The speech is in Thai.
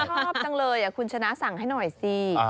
ชอบจังเลยคุณชนะสั่งให้หน่อยสิ